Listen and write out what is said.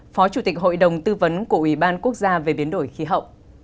phó chủ tịch hội đồng tư vấn của ủy ban quốc gia về biến đổi khí hậu